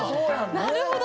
なるほど。